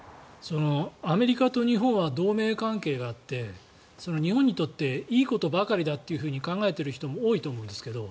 アメリカと日本は同盟関係があって日本にとっていいことばかりだというふうに考えている人も多いと思うんですけど